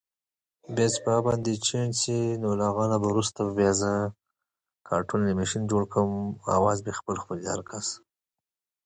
She is the prize-winning author of "Toy Guns" and "Women Who Sleep With Animals".